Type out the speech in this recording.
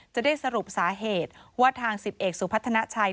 จะได้สรุปสาเหตุว่าทาง๑๐เอกสุพัฒนาชัย